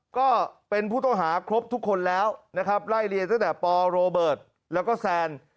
ก็เป็นผู้ต้องหาครบทุกคนแล้วนะครับไล่เรียนตั้งแต่ปโรเบิร์ตแล้วก็แซน